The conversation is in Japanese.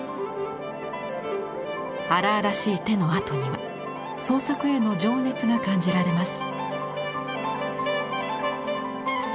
荒々しい手の跡には創作への情熱が感じられます。